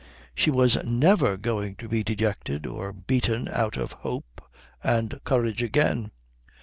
She was never going to be dejected or beaten out of hope and courage again.